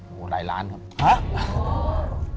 หัวหลายล้านครับ